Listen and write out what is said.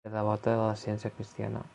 Era devota de la ciència cristiana.